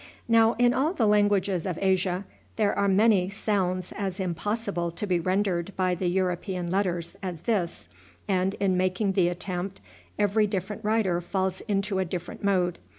Now, in all the languages of Asia, there are many sounds as impossible to be rendered by the European letters as this, and in making the attempt every different writer falls into a different mode.